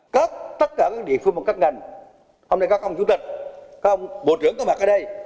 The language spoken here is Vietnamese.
tất cả các địa phương và các ngành hôm nay các ông chủ tịch các ông bộ trưởng có mặt ở đây